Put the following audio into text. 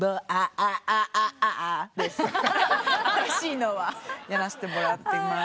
新しいのはやらせてもらってます。